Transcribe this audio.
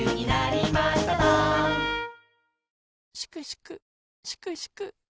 ・しくしくしくしく。